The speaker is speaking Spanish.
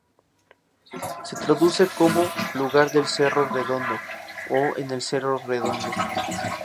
Se traduce como "Lugar del cerro redondo" o "En el cerro redondo".